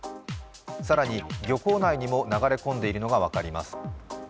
更に漁港内にも流れ込んでいるのが分かります。